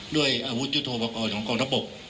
ด้วยอาวุธยุโทประกอบของกรณะบบ